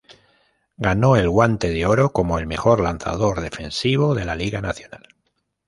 Ganó el Guante de Oro como el mejor lanzador defensivo de la Liga Nacional.